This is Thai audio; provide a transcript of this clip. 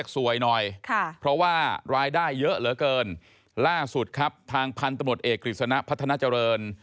สวัสดีครับทางพันธุ์ตำรวจเอกฤษณะพัฒนาเจริญ